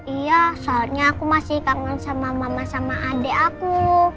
iya soalnya aku masih kangen sama mama sama adik aku